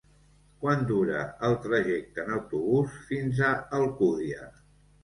Quant dura el trajecte en autobús fins a Alcúdia?